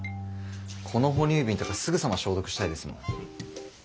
この哺乳瓶とかすぐさま消毒したいですもん。